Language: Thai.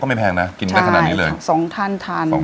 ก็ไม่แพงนะกินได้แค่นั้นเลย